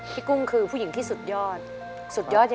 เปลี่ยนเพลงเพลงเก่งของคุณและข้ามผิดได้๑คำ